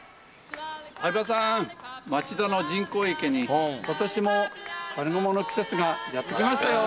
相葉さーん、町田の人工池に、ことしもカルガモの季節がやって来ましたよ。